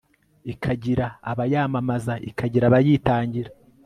ikagira abayamamaza, ikagira abayitangira